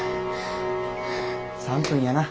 ３分やな。